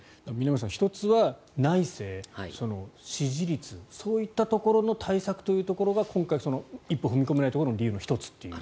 峯村さん、１つは内政、支持率そういったところの対策というところが一歩踏み込めないところの１つと。